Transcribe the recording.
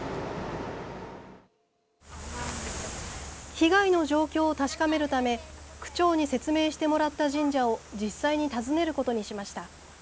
被害の状況を確かめるため区長に説明してもらった神社を実際に訪ねることにしました。